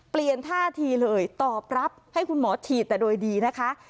ท่าทีเลยตอบรับให้คุณหมอฉีดแต่โดยดีนะคะ